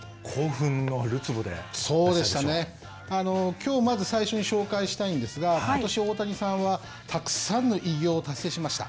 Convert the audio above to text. きょうまず最初に紹介したいんですがことし大谷さんはたくさんの偉業を達成しました。